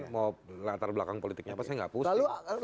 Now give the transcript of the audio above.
mau latar belakang politiknya pasti nggak pusing